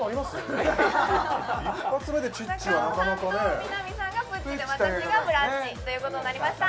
一発目でチッチはなかなかね中尾さんと南さんがプッチで私がブラッチということになりました